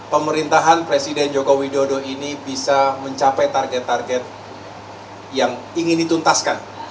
pemerintahan presiden joko widodo ini bisa mencapai target target yang ingin dituntaskan